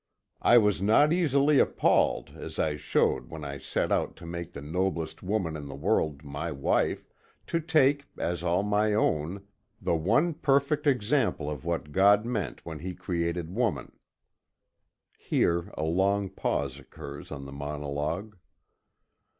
I was not easily appalled, as I showed when I set out to make the noblest woman in the world my wife, to take, as all my own, the one perfect example of what God meant when he created woman" Here a long pause occurs in the monologue.